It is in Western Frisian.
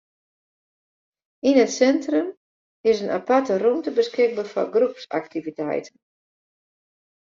Yn it sintrum is in aparte rûmte beskikber foar groepsaktiviteiten.